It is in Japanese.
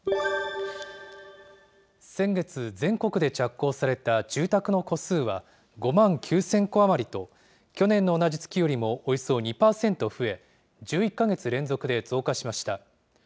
先月、全国で着工された住宅の戸数は５万９０００戸余りと、去年の同じ月よりもおよそ２％増え、１１か月連続で増加しました。